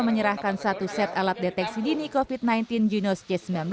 menyerahkan satu set alat deteksi dini covid sembilan belas ginos c sembilan belas